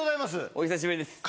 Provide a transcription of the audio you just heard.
お久しぶりです。